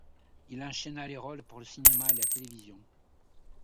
Il enchaîna les rôles pour le cinéma et la télévision.